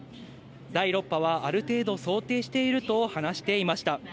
第６波はある程度想定していると話していました。